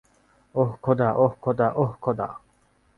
ওহ খোদা, ওহ খোদা, ওহ খোদা!